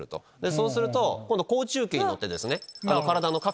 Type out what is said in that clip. そうすると今度好中球にのって。